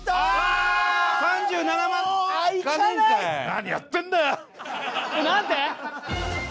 何やってんだよ！なんて！？